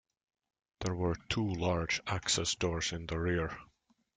There were two large access doors in the rear.